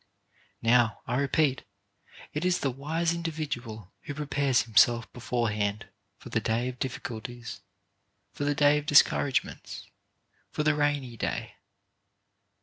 Now, I repeat, it is the wise individual who prepares him self beforehand for the day of difficulties, for the day of discouragements, for the rainy day.